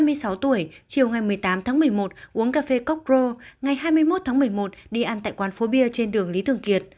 bệnh nhân ltn hai mươi sáu tuổi chiều ngày một mươi tám tháng một mươi một uống cà phê coke pro ngày hai mươi một tháng một mươi một đi ăn tại quán phố bia trên đường lý thường kiệt